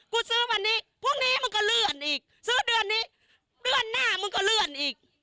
ซื้อวันนี้พรุ่งนี้มันก็เลื่อนอีกซื้อเดือนนี้เดือนหน้ามึงก็เลื่อนอีก